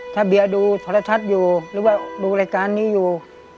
ถ้าเบียร์ดูโทรทัศน์อยู่หรือว่าดูรายการนี้อยู่